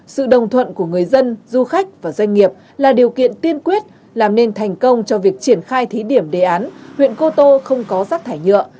sự đồng thuận của người dân du khách và doanh nghiệp là điều kiện tiên quyết làm nên thành công cho việc triển khai thí điểm đề án huyện cô tô không có rác thải nhựa